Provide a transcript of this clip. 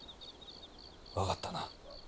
分かったな？